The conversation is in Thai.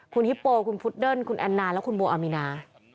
คุณฮิปโปคุณฟุ่ดเติ้ลคุณแอนนาแล้วคุณบวอมินา